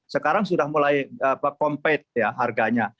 sekarang sudah mulai pump aid ya harganya